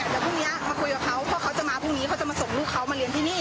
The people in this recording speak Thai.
พ่อเขาจะมาพรุ่งนี้เขาจะมาส่งลูกเขามาเรียนที่นี่